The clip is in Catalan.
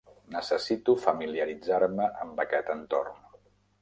Necessito familiaritzar-me amb aquest entorn.